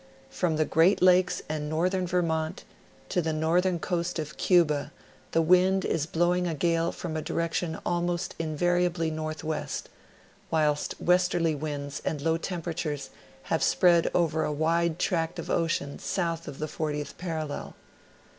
From the Great Lakes and northern Vermont to the northern coast of Cuba the wind is blowing a gale from a direction almost invariably northwest, whilst westerly winds and low temperatures have spread over a wide tract of ocean south of the 40th parallel.